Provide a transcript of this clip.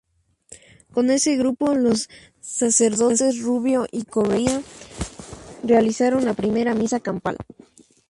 Con ese grupo, los sacerdotes Rubio y Correia realizaron la primera misa campal.